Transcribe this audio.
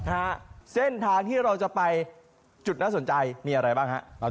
ฮะเส้นทางที่เราจะไปจุดน่าสนใจมีอะไรบ้างฮะตอน